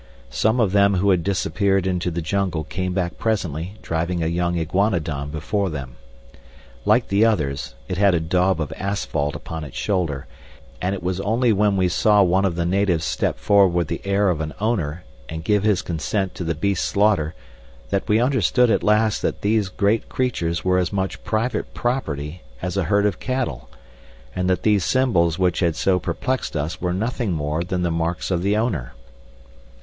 Some of them who had disappeared into the jungle came back presently driving a young iguanodon before them. Like the others, it had a daub of asphalt upon its shoulder, and it was only when we saw one of the natives step forward with the air of an owner and give his consent to the beast's slaughter that we understood at last that these great creatures were as much private property as a herd of cattle, and that these symbols which had so perplexed us were nothing more than the marks of the owner.